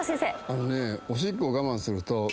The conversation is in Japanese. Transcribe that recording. あのね。